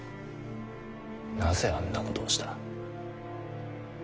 なぜあんなことをした？